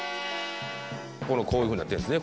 こういうふうになっているんですね。